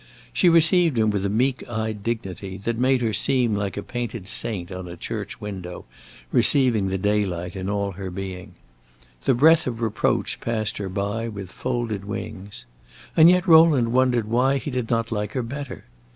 She received him with a meek eyed dignity that made her seem like a painted saint on a church window, receiving the daylight in all her being. The breath of reproach passed her by with folded wings. And yet Rowland wondered why he did not like her better.